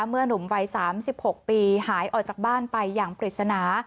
เมื่อหนุ่มวัยสามสิบหกปีหายออกจากบ้านไปอย่างปริศนา